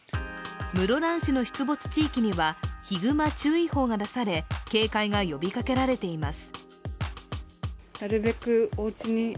室蘭市の出没地域にはヒグマ注意報が出され、警戒が呼びかけられています。